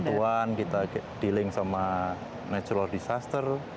bantuan kita dealing sama natural disaster